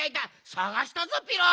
さがしたぞピロ！